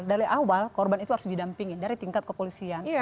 dari awal korban itu harus didampingi dari tingkat kepolisian